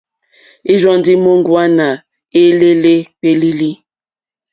Ìrzɔ́ ndí móŋɡòáná éělélé kpílílílí.